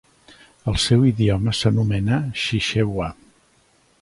El seu idioma s'anomena Chichewa.